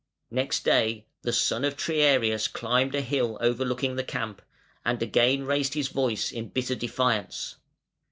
Next day the son of Triarius climbed a hill overlooking the camp, and again raised his voice in bitter defiance.